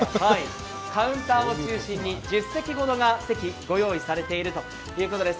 カウンターを中心に１０席ほどがご用意されているということです。